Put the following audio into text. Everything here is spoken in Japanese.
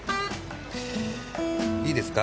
いいですか？